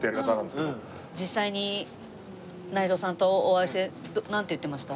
実際に内藤さんとお会いしてなんて言ってました？